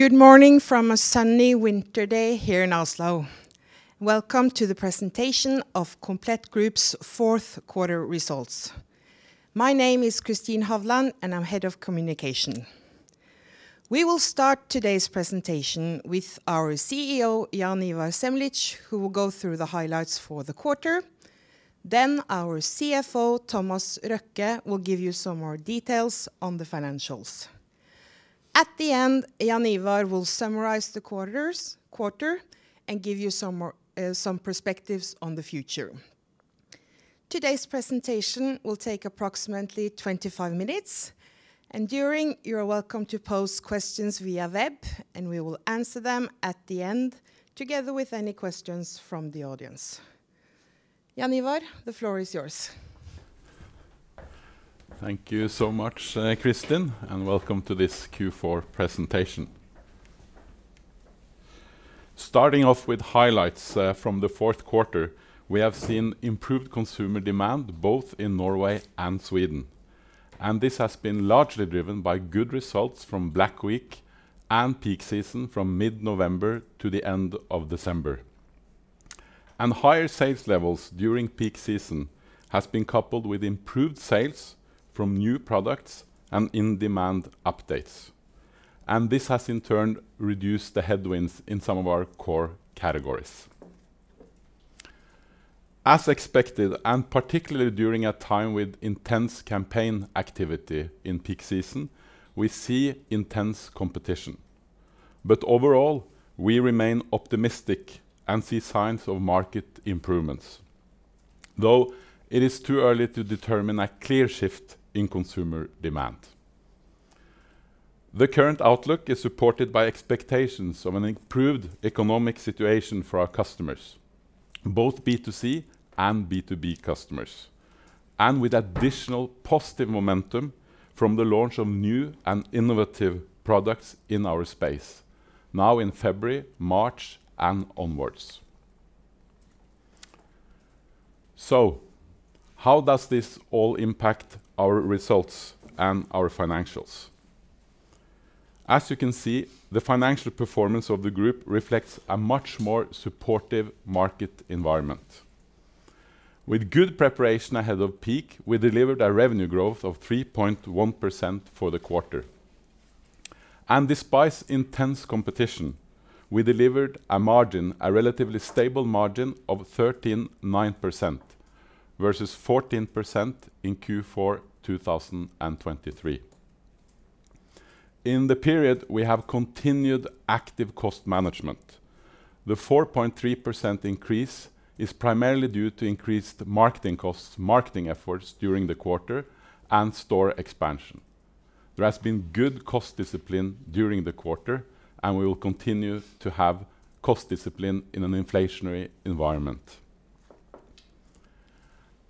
Good morning from a sunny winter day here in Oslo. Welcome to the presentation of Komplett Group's fourth quarter results. My name is Kristin Hovland, and I'm Head of Communication. We will start today's presentation with our CEO, Jaan Ivar Semlitsch, who will go through the highlights for the quarter. Then our CFO, Thomas Røkke, will give you some more details on the financials. At the end, Jaan Ivar will summarize the quarter and give you some perspectives on the future. Today's presentation will take approximately 25 minutes, and during you are welcome to post questions via web, and we will answer them at the end together with any questions from the audience. Jaan Ivar, the floor is yours. Thank you so much, Kristin, and welcome to this Q4 presentation. Starting off with highlights from the fourth quarter, we have seen improved consumer demand both in Norway and Sweden, and this has been largely driven by good results from Black Week and peak season from mid-November to the end of December. Higher sales levels during peak season have been coupled with improved sales from new products and in-demand updates, and this has in turn reduced the headwinds in some of our core categories. As expected, particularly during a time with intense campaign activity in peak season, we see intense competition, but overall we remain optimistic and see signs of market improvements, though it is too early to determine a clear shift in consumer demand. The current outlook is supported by expectations of an improved economic situation for our customers, both B2C and B2B customers, and with additional positive momentum from the launch of new and innovative products in our space, now in February, March, and onwards. How does this all impact our results and our financials? As you can see, the financial performance of the group reflects a much more supportive market environment. With good preparation ahead of peak, we delivered a revenue growth of 3.1% for the quarter, and despite intense competition, we delivered a margin, a relatively stable margin of 13.9% vs 14% in Q4 2023. In the period, we have continued active cost management. The 4.3% increase is primarily due to increased marketing costs, marketing efforts during the quarter, and store expansion. There has been good cost discipline during the quarter, and we will continue to have cost discipline in an inflationary environment.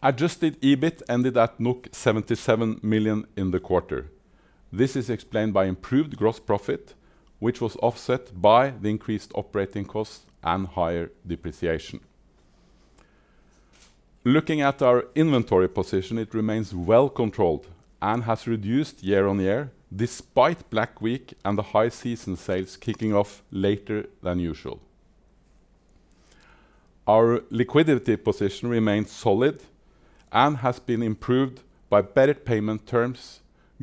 Adjusted EBIT ended at 77 million in the quarter. This is explained by improved gross profit, which was offset by the increased operating costs and higher depreciation. Looking at our inventory position, it remains well controlled and has reduced year-on-year, despite Black Week and the high season sales kicking off later than usual. Our liquidity position remained solid and has been improved by better payment terms,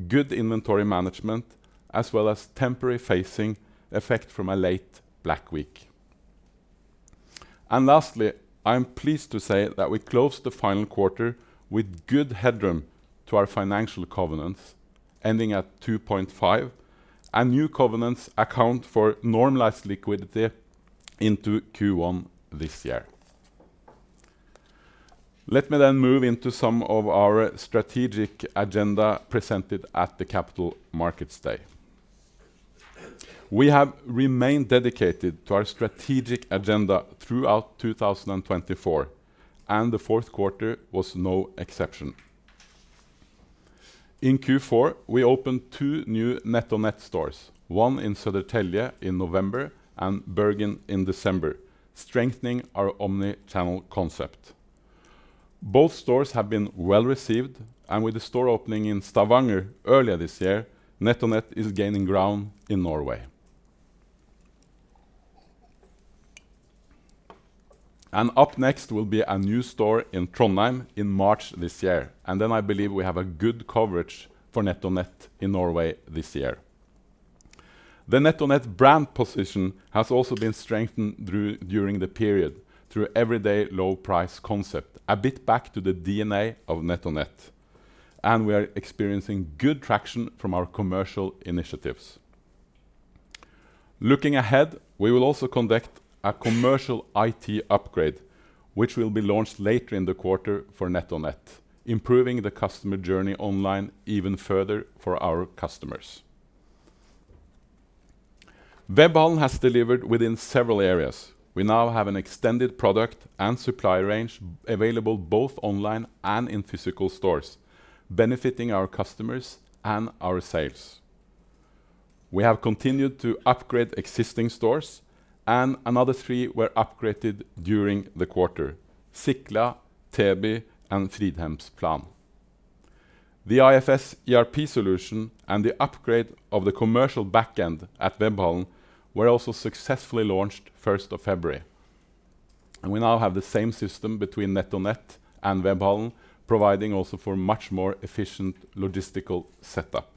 good inventory management, as well as temporary phasing effect from a late Black Week. Lastly, I'm pleased to say that we closed the final quarter with good headroom to our financial covenants ending at 2.5x, and new covenants account for normalized liquidity into Q1 this year. Let me then move into some of our strategic agenda presented at the Capital Markets Day. We have remained dedicated to our strategic agenda throughout 2024, and the fourth quarter was no exception. In Q4, we opened two new NetOnNet stores, one in Södertälje in November and Bergen in December, strengthening our omnichannel concept. Both stores have been well received, and with the store opening in Stavanger earlier this year, NetOnNet is gaining ground in Norway. Up next will be a new store in Trondheim in March this year, and I believe we have a good coverage for NetOnNet in Norway this year. The NetOnNet brand position has also been strengthened during the period through everyday low price concept, a bit back to the DNA of NetOnNet, and we are experiencing good traction from our commercial initiatives. Looking ahead, we will also conduct a commercial IT upgrade, which will be launched later in the quarter for NetOnNet, improving the customer journey online even further for our customers. Webhallen has delivered within several areas. We now have an extended product and supply range available both online and in physical stores, benefiting our customers and our sales. We have continued to upgrade existing stores, and another three were upgraded during the quarter: Sickla, Täby, and Fridhemsplan. The IFS ERP solution and the upgrade of the commercial backend at Webhallen were also successfully launched 1st of February. We now have the same system between NetOnNet and Webhallen, providing also for much more efficient logistical setup.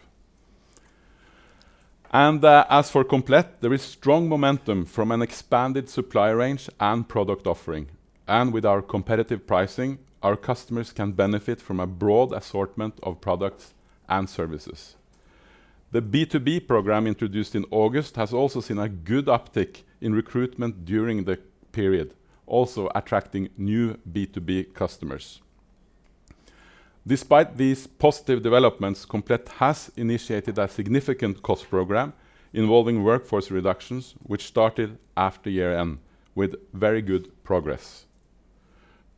As for Komplett, there is strong momentum from an expanded supply range and product offering, and with our competitive pricing, our customers can benefit from a broad assortment of products and services. The B2B program introduced in August has also seen a good uptick in recruitment during the period, also attracting new B2B customers. Despite these positive developments, Komplett has initiated a significant cost program involving workforce reductions, which started after year-end, with very good progress.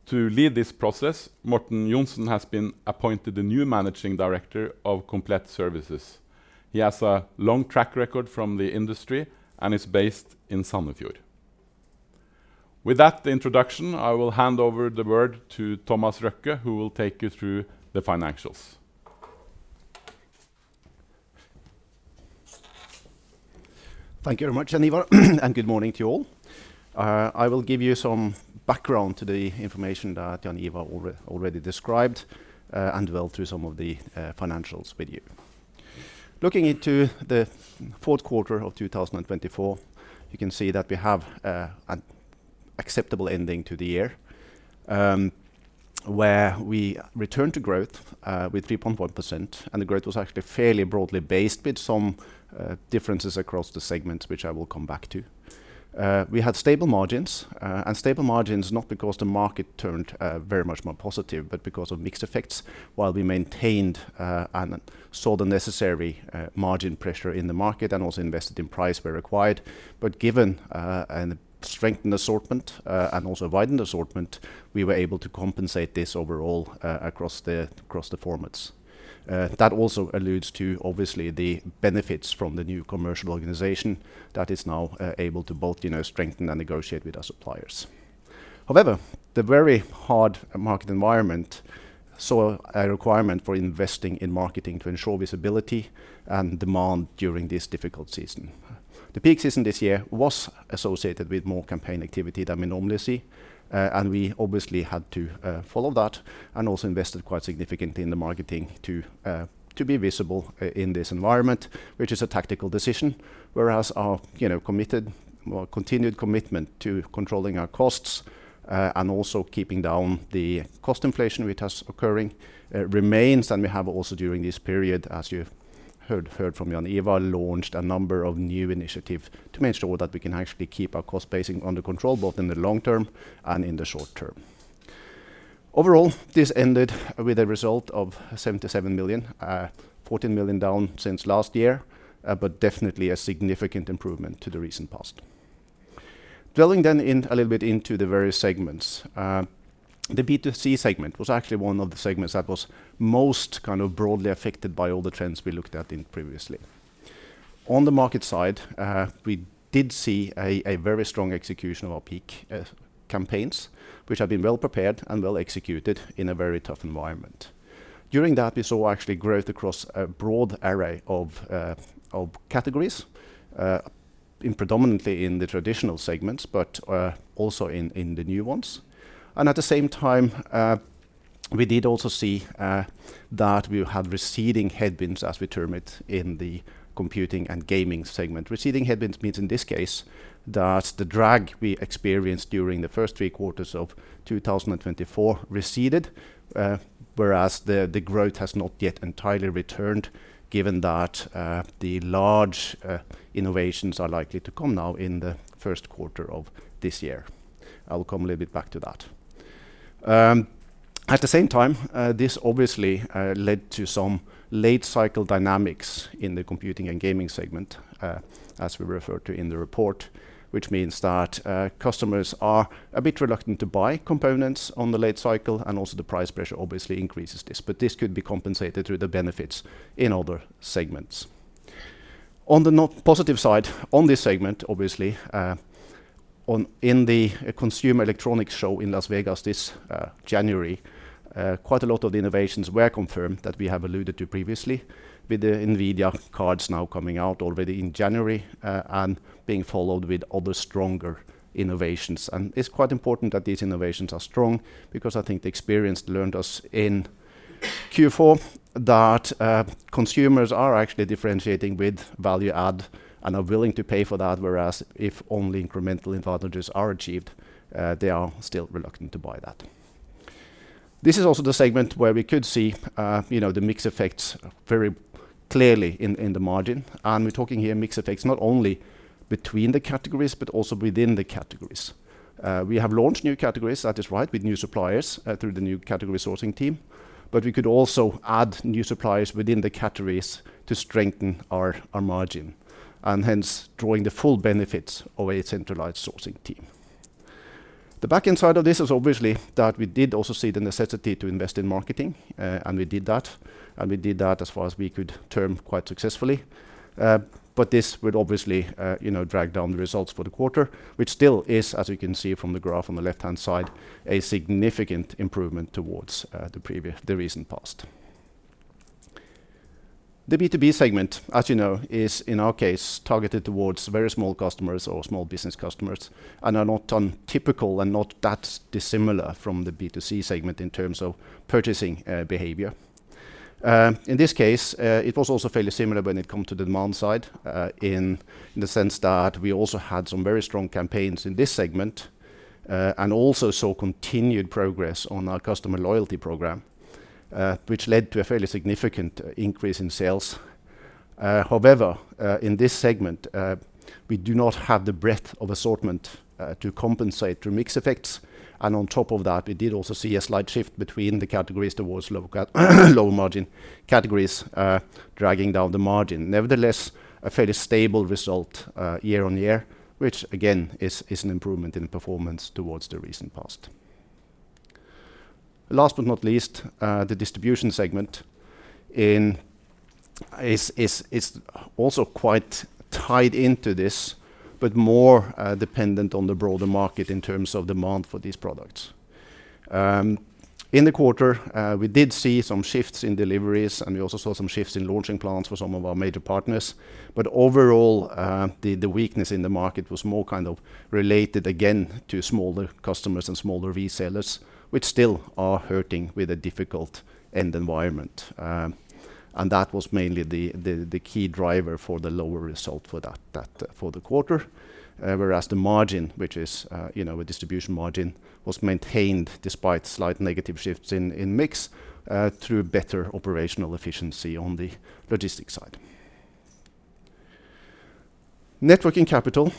To lead this process, Morten Johnsen has been appointed the new Managing Director of Komplett Services. He has a long track record from the industry and is based in Sandefjord. With that introduction, I will hand over the word to Thomas Røkke, who will take you through the financials. Thank you very much, Jaan Ivar, and good morning to you all. I will give you some background to the information that Jaan Ivar already described and went through some of the financials with you. Looking into the fourth quarter of 2024, you can see that we have an acceptable ending to the year where we returned to growth with 3.1%, and the growth was actually fairly broadly based, with some differences across the segments, which I will come back to. We had stable margins, and stable margins not because the market turned very much more positive, but because of mixed effects. While we maintained and saw the necessary margin pressure in the market and also invested in price where required, but given a strengthened assortment and also widened assortment, we were able to compensate this overall across the formats. That also alludes to, obviously, the benefits from the new commercial organization that is now able to both strengthen and negotiate with our suppliers. However, the very hard market environment saw a requirement for investing in marketing to ensure visibility and demand during this difficult season. The peak season this year was associated with more campaign activity than we normally see, and we obviously had to follow that and also invested quite significantly in the marketing to be visible in this environment, which is a tactical decision, whereas our continued commitment to controlling our costs and also keeping down the cost inflation, which is occurring, remains. We have also during this period, as you heard from Jaan Ivar, launched a number of new initiatives to make sure that we can actually keep our cost basing under control both in the long term and in the short term. Overall, this ended with a result of 77 million, 14 million down since last year, but definitely a significant improvement to the recent past. Dwelling then in a little bit into the various segments, the B2C segment was actually one of the segments that was most kind of broadly affected by all the trends we looked at previously. On the market side, we did see a very strong execution of our peak campaigns, which have been well prepared and well executed in a very tough environment. During that, we saw actually growth across a broad array of categories, predominantly in the traditional segments, but also in the new ones. At the same time, we did also see that we had receding headwinds, as we term it, in the computing and gaming segment. Receding headwinds means in this case that the drag we experienced during the first three quarters of 2024 receded, whereas the growth has not yet entirely returned, given that the large innovations are likely to come now in the first quarter of this year. I'll come a little bit back to that. At the same time, this obviously led to some late cycle dynamics in the computing and gaming segment, as we refer to in the report, which means that customers are a bit reluctant to buy components on the late cycle, and also the price pressure obviously increases this, but this could be compensated through the benefits in other segments. On the positive side on this segment, obviously, in the Consumer Electronics Show in Las Vegas this January, quite a lot of the innovations were confirmed that we have alluded to previously, with the NVIDIA cards now coming out already in January and being followed with other stronger innovations. It is quite important that these innovations are strong because I think the experience learned us in Q4 that consumers are actually differentiating with value add and are willing to pay for that, whereas if only incremental advantages are achieved, they are still reluctant to buy that. This is also the segment where we could see the mixed effects very clearly in the margin, and we are talking here mixed effects not only between the categories, but also within the categories. We have launched new categories, that is right, with new suppliers through the new category sourcing team, but we could also add new suppliers within the categories to strengthen our margin and hence drawing the full benefits of a centralized sourcing team. The back end side of this is obviously that we did also see the necessity to invest in marketing, and we did that, and we did that as far as we could term quite successfully, but this would obviously drag down the results for the quarter, which still is, as you can see from the graph on the left-hand side, a significant improvement towards the recent past. The B2B segment, as you know, is in our case targeted towards very small customers or small business customers and are not untypical and not that dissimilar from the B2C segment in terms of purchasing behavior. In this case, it was also fairly similar when it comes to the demand side in the sense that we also had some very strong campaigns in this segment and also saw continued progress on our customer loyalty program, which led to a fairly significant increase in sales. However, in this segment, we do not have the breadth of assortment to compensate through mixed effects, and on top of that, we did also see a slight shift between the categories towards low margin categories, dragging down the margin. Nevertheless, a fairly stable result year-on-year, which again is an improvement in performance towards the recent past. Last but not least, the distribution segment is also quite tied into this, but more dependent on the broader market in terms of demand for these products. In the quarter, we did see some shifts in deliveries, and we also saw some shifts in launching plans for some of our major partners. Overall, the weakness in the market was more kind of related again to smaller customers and smaller resellers, which still are hurting with a difficult end environment. That was mainly the key driver for the lower result for the quarter, whereas the margin, which is a distribution margin, was maintained despite slight negative shifts in mix through better operational efficiency on the logistics side. Networking capital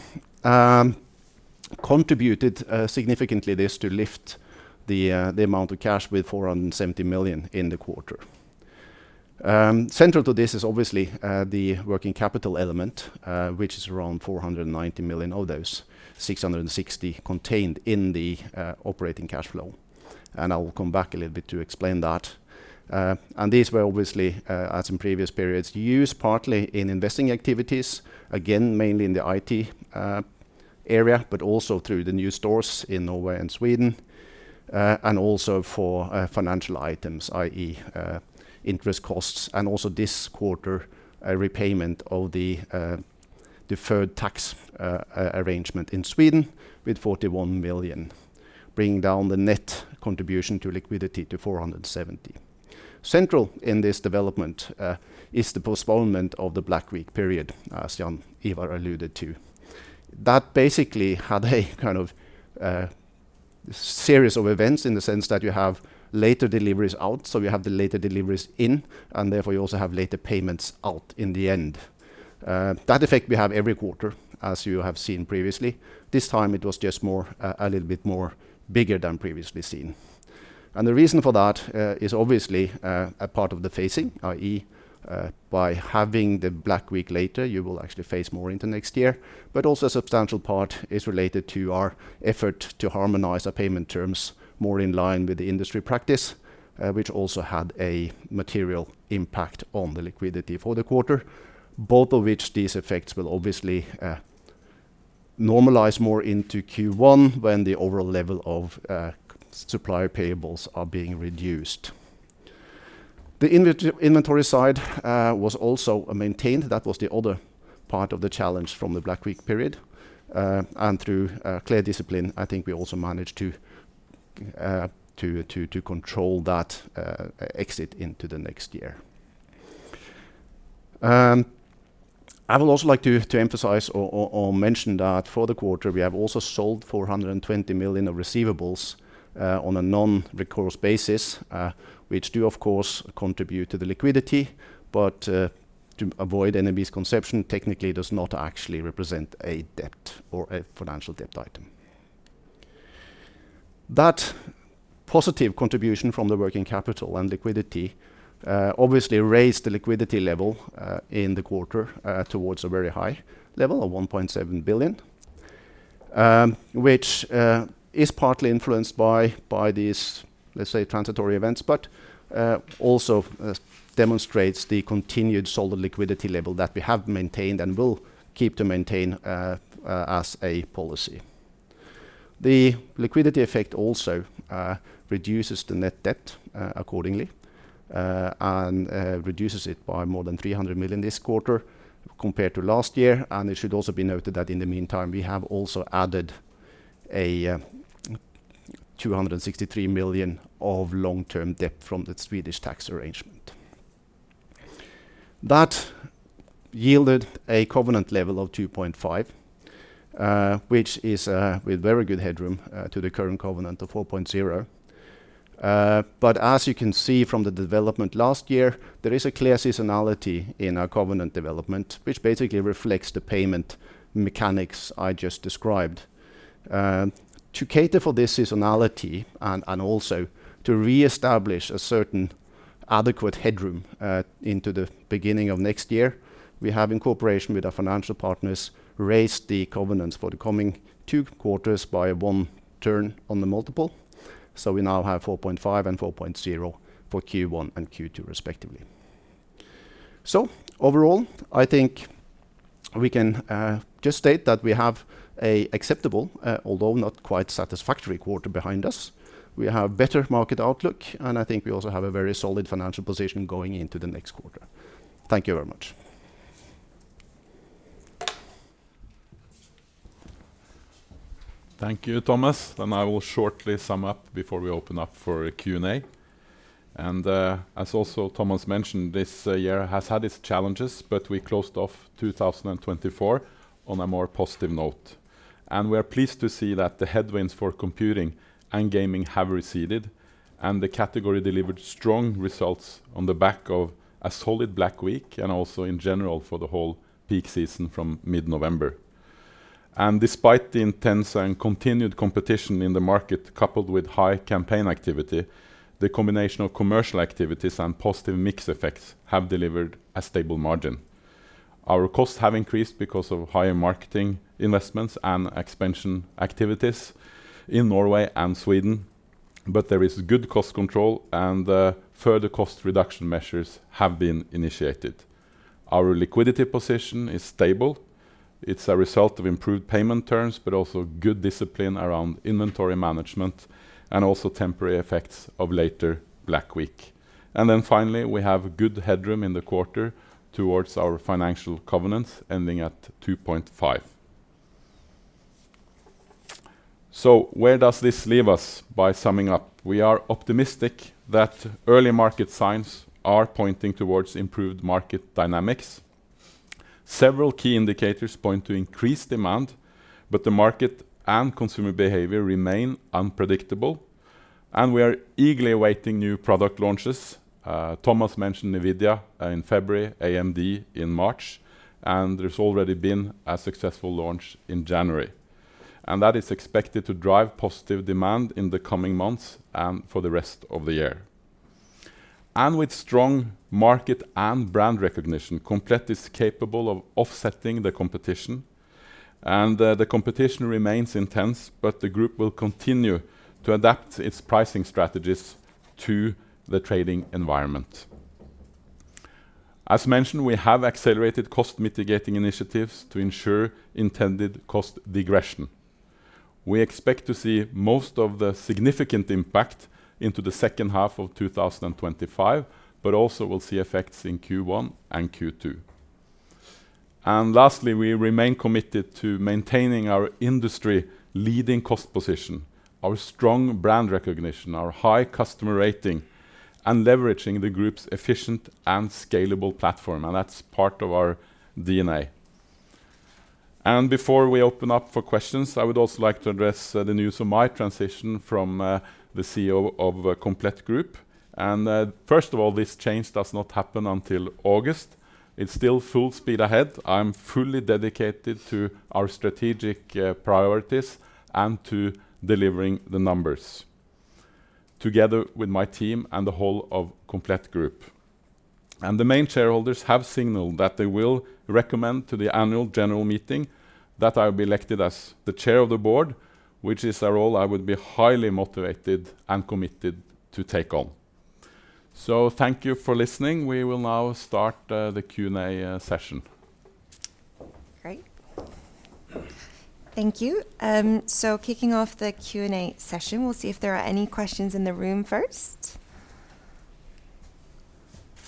contributed significantly to lift the amount of cash with 470 million in the quarter. Central to this is obviously the working capital element, which is around 490 million of those, 660 million contained in the operating cash flow, and I will come back a little bit to explain that. These were obviously, as in previous periods, used partly in investing activities, again mainly in the IT area, but also through the new stores in Norway and Sweden, and also for financial items, i.e., interest costs, and also this quarter repayment of the deferred tax arrangement in Sweden with 41 million, bringing down the net contribution to liquidity to 470 million. Central in this development is the postponement of the Black Week period, as Jaan Ivar alluded to. That basically had a kind of series of events in the sense that you have later deliveries out, so we have the later deliveries in, and therefore you also have later payments out in the end. That effect we have every quarter, as you have seen previously. This time it was just a little bit more bigger than previously seen. The reason for that is obviously a part of the phasing, i.e., by having the Black Week later, you will actually phase more into next year, but also a substantial part is related to our effort to harmonize our payment terms more in line with the industry practice, which also had a material impact on the liquidity for the quarter, both of which these effects will obviously normalize more into Q1 when the overall level of supplier payables are being reduced. The inventory side was also maintained. That was the other part of the challenge from the Black Week period, and through clear discipline, I think we also managed to control that exit into the next year. I would also like to emphasize or mention that for the quarter, we have also sold 420 million of receivables on a non-recourse basis, which do, of course, contribute to the liquidity, but to avoid any misconception, technically does not actually represent a debt or a financial debt item. That positive contribution from the working capital and liquidity obviously raised the liquidity level in the quarter towards a very high level of 1.7 billion, which is partly influenced by these, let's say, transitory events, but also demonstrates the continued solid liquidity level that we have maintained and will keep to maintain as a policy. The liquidity effect also reduces the net debt accordingly and reduces it by more than 300 million this quarter compared to last year, and it should also be noted that in the meantime, we have also added 263 million of long-term debt from the Swedish tax arrangement. That yielded a covenant level of 2.5x, which is with very good headroom to the current covenant of 4.0x. As you can see from the development last year, there is a clear seasonality in our covenant development, which basically reflects the payment mechanics I just described. To cater for this seasonality and also to reestablish a certain adequate headroom into the beginning of next year, we have in cooperation with our financial partners raised the covenants for the coming two quarters by one turn on the multiple. We now have 4.5x and 4.0x for Q1 and Q2 respectively. Overall, I think we can just state that we have an acceptable, although not quite satisfactory quarter behind us. We have better market outlook, and I think we also have a very solid financial position going into the next quarter. Thank you very much. Thank you, Thomas. I will shortly sum up before we open up for a Q&A. As also Thomas mentioned, this year has had its challenges, but we closed off 2024 on a more positive note. We are pleased to see that the headwinds for computing and gaming have receded, and the category delivered strong results on the back of a solid Black Week and also in general for the whole peak season from mid-November. Despite the intense and continued competition in the market, coupled with high campaign activity, the combination of commercial activities and positive mixed effects have delivered a stable margin. Our costs have increased because of higher marketing investments and expansion activities in Norway and Sweden, but there is good cost control and further cost reduction measures have been initiated. Our liquidity position is stable. It is a result of improved payment terms, but also good discipline around inventory management and also temporary effects of later Black Week. Finally, we have good headroom in the quarter towards our financial covenants ending at 2.5x. Where does this leave us by summing up? We are optimistic that early market signs are pointing towards improved market dynamics. Several key indicators point to increased demand, but the market and consumer behavior remain unpredictable, and we are eagerly awaiting new product launches. Thomas mentioned NVIDIA in February, AMD in March, and there's already been a successful launch in January. That is expected to drive positive demand in the coming months and for the rest of the year. With strong market and brand recognition, Komplett is capable of offsetting the competition, and the competition remains intense, but the group will continue to adapt its pricing strategies to the trading environment. As mentioned, we have accelerated cost mitigating initiatives to ensure intended cost degression. We expect to see most of the significant impact into the second half of 2025, but also we'll see effects in Q1 and Q2. Lastly, we remain committed to maintaining our industry leading cost position, our strong brand recognition, our high customer rating, and leveraging the group's efficient and scalable platform, and that's part of our DNA. Before we open up for questions, I would also like to address the news of my transition from the CEO of Komplett Group. First of all, this change does not happen until August. It's still full speed ahead. I'm fully dedicated to our strategic priorities and to delivering the numbers together with my team and the whole of Komplett Group. The main shareholders have signaled that they will recommend to the annual general meeting that I will be elected as the chair of the board, which is a role I would be highly motivated and committed to take on. Thank you for listening. We will now start the Q&A session. Great.Thank you. Kicking off the Q&A session, we'll see if there are any questions in the room first.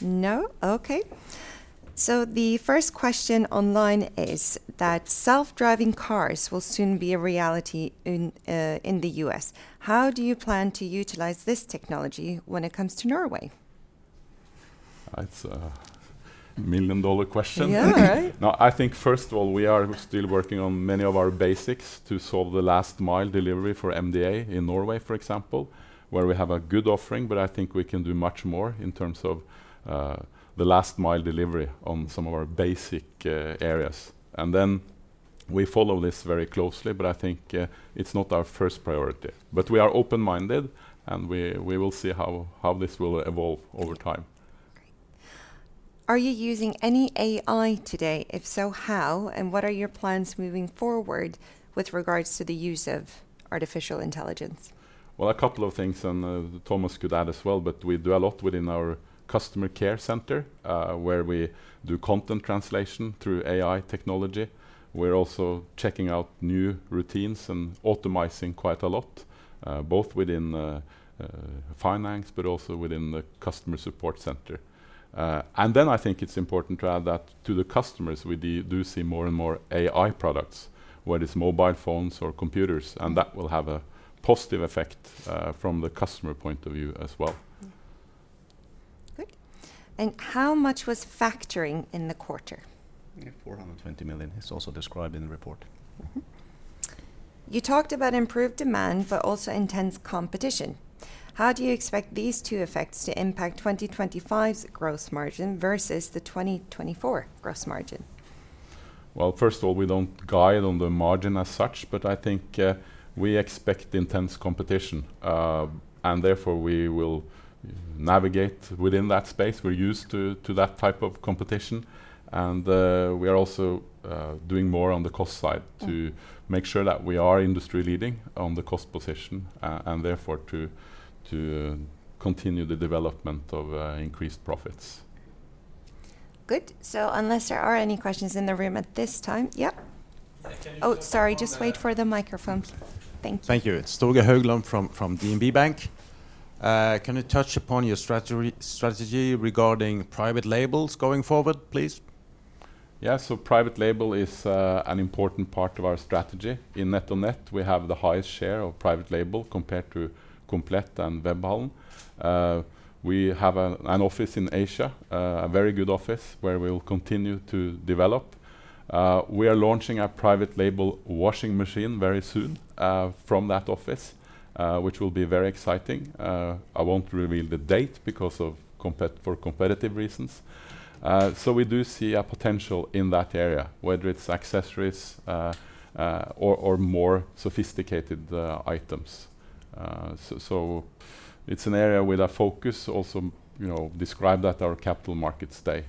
No? Okay. The first question online is that self-driving cars will soon be a reality in the U.S. How do you plan to utilize this technology when it comes to Norway? That's a million-dollar question. No, I think first of all, we are still working on many of our basics to solve the last mile delivery for MDA in Norway, for example, where we have a good offering, but I think we can do much more in terms of the last mile delivery on some of our basic areas. We follow this very closely, but I think it's not our first priority. We are open-minded, and we will see how this will evolve over time. Are you using any AI today? If so, how? What are your plans moving forward with regards to the use of artificial intelligence? A couple of things, and Thomas could add as well, but we do a lot within our customer care center where we do content translation through AI technology. We are also checking out new routines and optimizing quite a lot, both within finance, but also within the customer support center. I think it is important to add that to the customers, we do see more and more AI products, whether it is mobile phones or computers, and that will have a positive effect from the customer point of view as well. Okay. How much was factoring in the quarter? 420 million is also described in the report. You talked about improved demand, but also intense competition. How do you expect these two effects to impact 2025's gross margin vs the 2024 gross margin? First of all, we do not guide on the margin as such, but I think we expect intense competition, and therefore we will navigate within that space. We are used to that type of competition, and we are also doing more on the cost side to make sure that we are industry leading on the cost position and therefore to continue the development of increased profits. Good. Unless there are any questions in the room at this time, yes. Oh, sorry, just wait for the microphone. Thank you. Thank you. It is Olav Hovland from DNB Bank. Can you touch upon your strategy regarding private labels going forward, please? Yes, so private label is an important part of our strategy. In NetOnNet, we have the highest share of private label compared to Komplett and Webhallen. We have an office in Asia, a very good office where we will continue to develop. We are launching a private label washing machine very soon from that office, which will be very exciting. I won't reveal the date because of competitive reasons. We do see a potential in that area, whether it's accessories or more sophisticated items. It is an area with a focus also described at our capital markets day,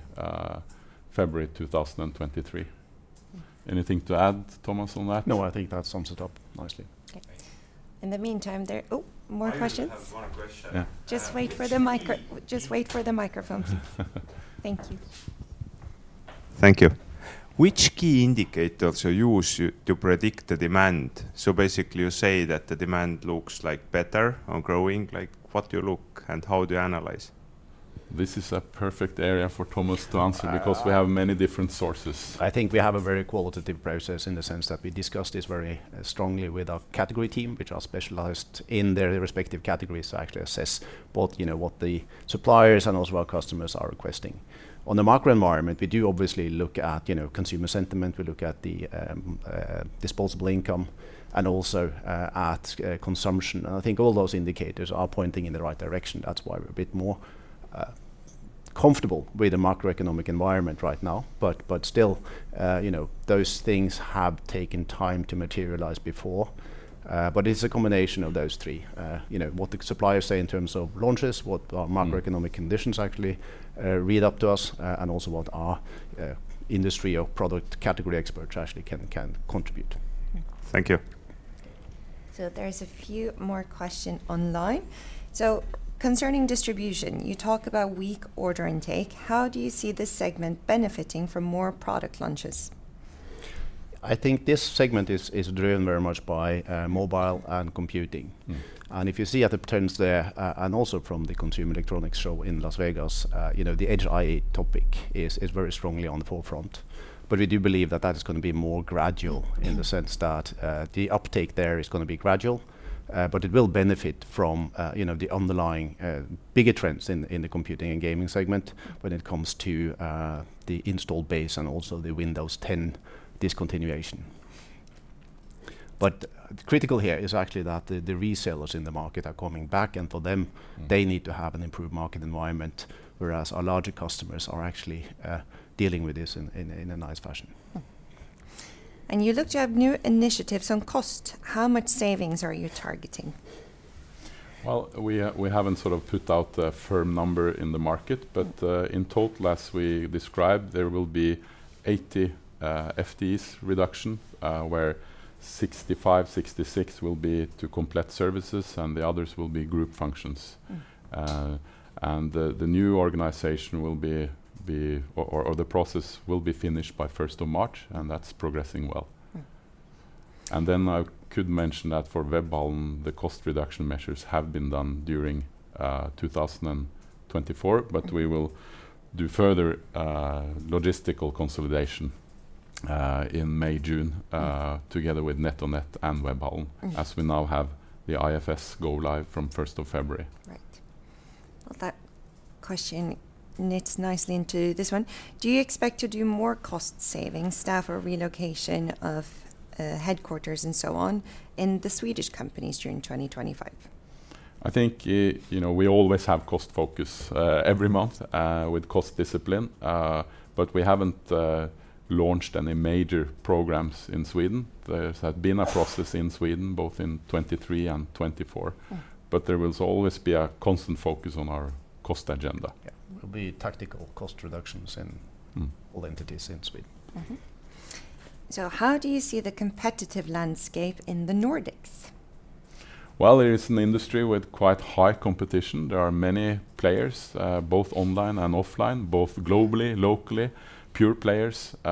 February 2023. Anything to add, Thomas, on that? No, I think that sums it up nicely. Okay. In the meantime, there are more questions. Just wait for the microphone. Thank you. Thank you. Which key indicators are used to predict the demand? Basically, you say that the demand looks like better or growing. What do you look and how do you analyze? This is a perfect area for Thomas to answer because we have many different sources. I think we have a very qualitative process in the sense that we discuss this very strongly with our category team, which are specialized in their respective categories to actually assess both what the suppliers and also our customers are requesting. On the macro environment, we do obviously look at consumer sentiment, we look at the disposable income, and also at consumption. I think all those indicators are pointing in the right direction. That is why we are a bit more comfortable with the macroeconomic environment right now. Still, those things have taken time to materialize before. It is a combination of those three. What the suppliers say in terms of launches, what our macroeconomic conditions actually read up to us, and also what our industry or product category experts actually can contribute. Thank you. There are a few more questions online. Concerning distribution, you talk about weak order intake. How do you see this segment benefiting from more product launches? I think this segment is driven very much by mobile and computing. If you see at the terms there and also from the Consumer Electronics Show in Las Vegas, the Edge AI topic is very strongly on the forefront. We do believe that is going to be more gradual in the sense that the uptake there is going to be gradual, but it will benefit from the underlying bigger trends in the computing and gaming segment when it comes to the installed base and also the Windows 10 discontinuation. Critical here is actually that the resellers in the market are coming back, and for them, they need to have an improved market environment, whereas our larger customers are actually dealing with this in a nice fashion. You looked at new initiatives on cost. How much savings are you targeting? We have not sort of put out a firm number in the market, but in total, as we described, there will be 80 FTEs reduction, where 65-66 will be to Komplett Services, and the others will be group functions. The new organization will be, or the process will be finished by 1st of March, and that is progressing well. I could mention that for Webhallen, the cost reduction measures have been done during 2024, but we will do further logistical consolidation in May, June, together with NetOnNet and Webhallen, as we now have the IFS go live from 1st of February. That question knits nicely into this one. Do you expect to do more cost savings, staff or relocation of headquarters and so on in the Swedish companies during 2025? I think we always have cost focus every month with cost discipline, but we have not launched any major programs in Sweden. There has been a process in Sweden, both in 2023 and 2024, but there will always be a constant focus on our cost agenda. There will be tactical cost reductions in all entities in Sweden. How do you see the competitive landscape in the Nordics? It is an industry with quite high competition. There are many players, both online and offline, both globally, locally, pure players. We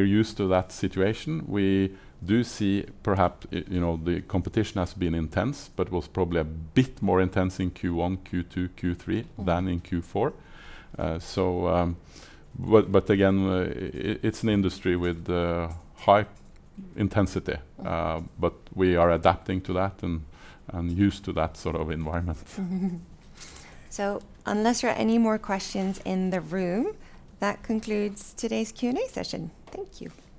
are used to that situation. We do see perhaps the competition has been intense, but was probably a bit more intense in Q1, Q2, Q3 than in Q4. It is an industry with high intensity, but we are adapting to that and used to that sort of environment. Unless there are any more questions in the room, that concludes today's Q&A session. Thank you.